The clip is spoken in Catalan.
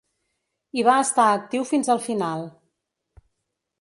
I va estar actiu fins al final.